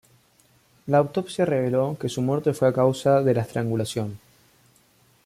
La autopsia reveló que su muerte fue a causa de la estrangulación.